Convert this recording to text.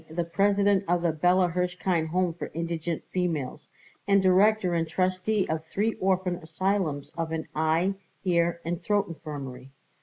the President of the Bella Hirshkind Home for Indigent Females, and director and trustee of three orphan asylums and of an eye, ear, and throat infirmary.